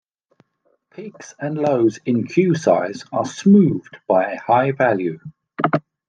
Peaks and lows in queue size are smoothed by a high value.